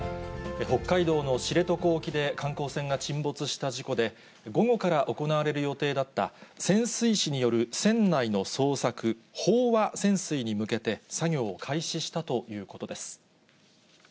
北海道の知床沖で、観光船が沈没した事故で、午後から行われる予定だった潜水士による船内の捜索、飽和潜水に向けて、作業を開始したということです。